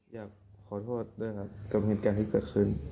อยากขอโทษด้วยครับกับเหตุการณ์ที่เกิดขึ้น